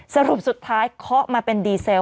สรุปสุดท้ายเคาะมาเป็นดีเซล